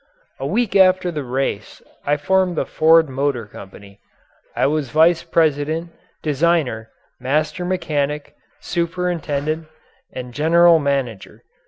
A week after the race I formed the Ford Motor Company. I was vice president, designer, master mechanic, superintendent, and general manager.